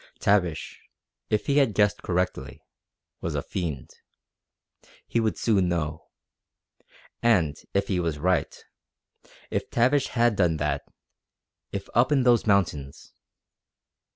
Tavish, if he had guessed correctly, was a fiend. He would soon know. And if he was right, if Tavish had done that, if up in those mountains....